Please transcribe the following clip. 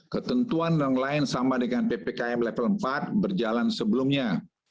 ketentuan yang lain sama dengan ppkm level empat berjalan sebelumnya